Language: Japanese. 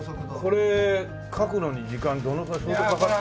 これ描くのに時間どのぐらい相当かかった。